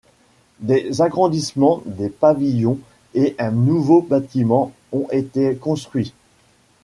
Des agrandissements des pavillons et un nouveau bâtiment ont été construits.